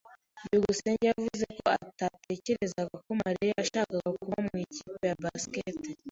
byukusenge yavuze ko atatekerezaga ko Mariya yashakaga kuba mu ikipe ya basketball.